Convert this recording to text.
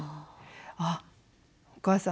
「あっお母さん